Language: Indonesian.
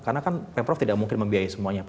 karena kan pemprov tidak mungkin membiayai semuanya